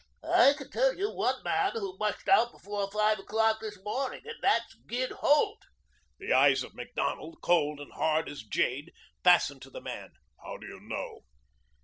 "I can tell you one man who mushed out before five o'clock this morning and that's Gid Holt." The eyes of Macdonald, cold and hard as jade, fastened to the man. "How do you know?"